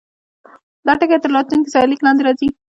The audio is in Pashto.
دا ټکی تر راتلونکي سرلیک لاندې راځي.